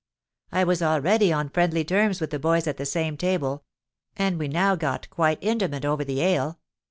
I was already on friendly terms with the boys at the same table; and we now got quite intimate over the ale.